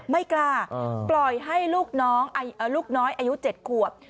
ไม่กล้าปล่อยให้ลูกน้อยอายุ๗ขวบ